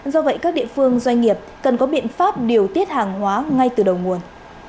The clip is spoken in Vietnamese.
do vậy các địa phương doanh nghiệp cần có biện pháp điều tiết hàng hóa ngay từ đầu nguồn